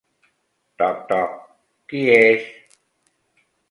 Toc, toc! Qui és?